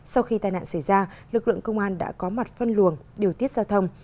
sau khi tai nạn xảy ra lực lượng công an đã có mặt phân luồng điều tiết giao thông